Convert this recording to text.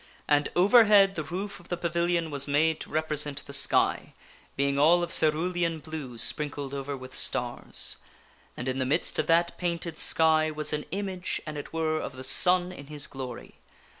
And overhead the roof of the pavilion was made to represent the sky, being all of cerulean blue sprinkled over with stars. And in the midst of that painted sky was an image, an it were, of the sun in his glory.